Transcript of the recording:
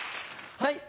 はい。